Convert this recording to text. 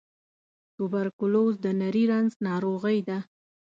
توبرکلوز د نري رنځ ناروغۍ ده.